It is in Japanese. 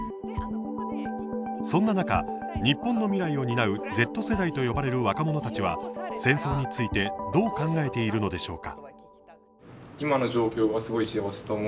そんな中、日本の未来を担うＺ世代と呼ばれる若者たちは戦争についてどう考えているのでしょうか。